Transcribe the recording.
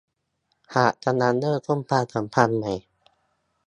หากกำลังเริ่มต้นความสัมพันธ์ใหม่